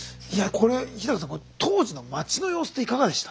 これ当時の町の様子っていかがでした？